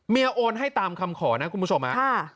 โอนให้ตามคำขอนะคุณผู้ชมฮะ